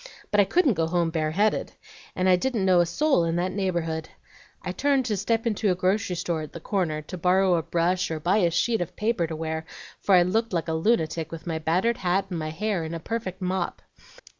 But I couldn't go home bareheaded, and I didn't know a soul in that neighborhood. I turned to step into a grocery store at the corner, to borrow a brush or buy a sheet of paper to wear, for I looked like a lunatic with my battered hat and my hair in a perfect mop.